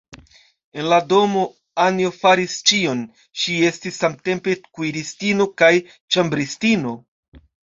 En la domo Anjo faris ĉion; ŝi estis samtempe kuiristino kaj ĉambristino.